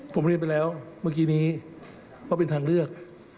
ผมเรียนไปแล้วเมื่อกี้นี้ว่าเป็นทางเลือก